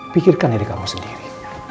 pikirkan diri kamu sendiri